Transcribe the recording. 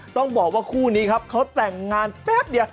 ต้องบอกว่าคู่นี้ครับเขาแต่งงานแป๊บเดียว